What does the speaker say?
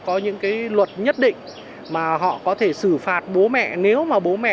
có những cái luật nhất định mà họ có thể xử phạt bố mẹ nếu mà bố mẹ